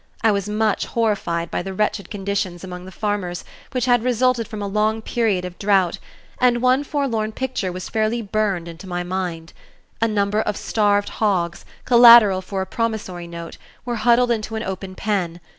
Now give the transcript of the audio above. I was much horrified by the wretched conditions among the farmers, which had resulted from a long period of drought, and one forlorn picture was fairly burned into my mind. A number of starved hogs collateral for a promissory note were huddled into an open pen.